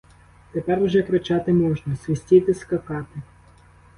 Тепер уже кричати можна, свистіти, скакати!